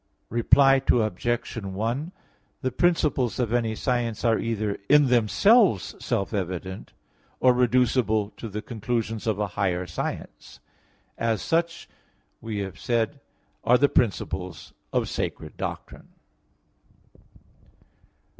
Reply Obj. 1: The principles of any science are either in themselves self evident, or reducible to the conclusions of a higher science; and such, as we have said, are the principles of sacred doctrine.